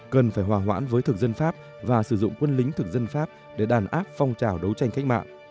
cần phải hòa hoãn với thực dân pháp và sử dụng quân lính thực dân pháp để đàn áp phong trào đấu tranh cách mạng